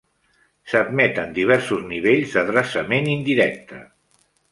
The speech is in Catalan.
S"admeten diversos nivells d"adreçament indirecte.